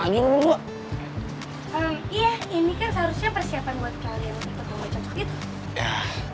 ya ini kan seharusnya persiapan buat kalian